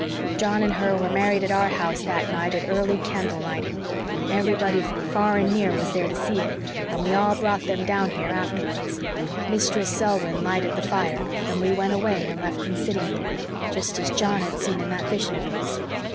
John and her were married at our house that night at early candle lighting; everybody from far and near was there to see it and we all brought them down here afterwards. Mistress Selwyn lighted the fire, and we went away and left them sitting here, jest as John had seen in that vision of his.